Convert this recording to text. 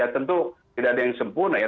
tentu tidak ada yang sempurna ya